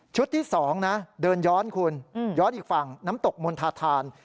ที่๒นะเดินย้อนคุณย้อนอีกฝั่งน้ำตกมณฑาธาน